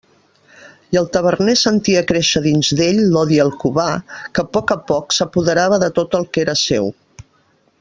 I el taverner sentia créixer dins d'ell l'odi al Cubà, que a poc a poc s'apoderava de tot el que era seu.